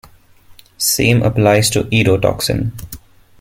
Same applies to "erotoxin".